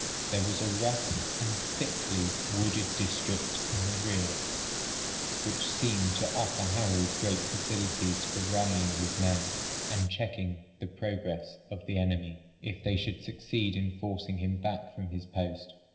There was a rough and thickly wooded district in the rear, which seemed to offer Harold great facilities for rallying his men, and checking the progress of the enemy, if they should succeed in forcing him back from his post.